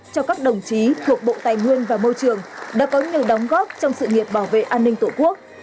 cho các đồng chí thuộc bộ tài nguyên và môi trường đã có nhiều đóng góp trong sự nghiệp bảo vệ an ninh tổ quốc